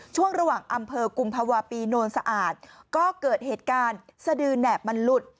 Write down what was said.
ช่วงระหว่างอำเภอกุมภาวะปีโนนสะอาดก็เกิดเหตุการณ์สดือแหนบมันหลุด